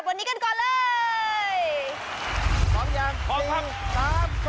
วินีด้วยค่ะ